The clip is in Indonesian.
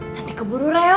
nanti keburu rewat kios kita